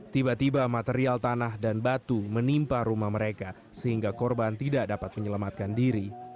tiba tiba material tanah dan batu menimpa rumah mereka sehingga korban tidak dapat menyelamatkan diri